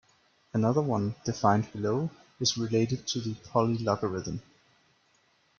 Another one, defined below, is related to the polylogarithm.